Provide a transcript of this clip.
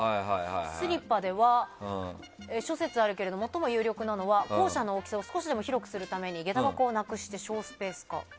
スリッパでは諸説あるけれど最も有力なのは校舎の大きさを少しでも広くするために下駄箱をなくして省スペース化。